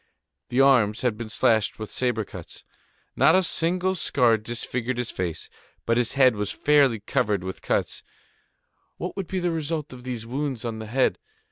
The arms had been slashed with sabre cuts. Not a single scar disfigured his face; but his head was fairly covered with cuts; what would be the result of these wounds on the head?